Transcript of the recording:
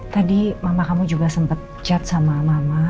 tadi mama kamu juga sempet chat sama mama